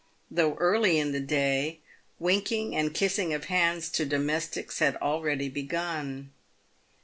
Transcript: Though early in the day, winking and kissing of hands to domestics had already begun.